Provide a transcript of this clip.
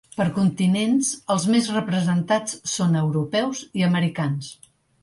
Per continents, els més representats són europeus i americans.